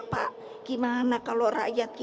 pak gimana kalau rakyat itu benar